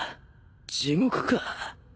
地獄か？